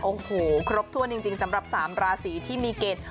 โอ้โหครบถ้วนจริงสำหรับ๓ราศีที่มีเกณฑ์